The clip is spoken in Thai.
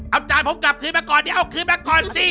เอาจานผมกลับขึ้นมาก่อนเดี๋ยวเอาขึ้นมาก่อนสิ